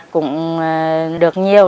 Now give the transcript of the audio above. cũng được nhiều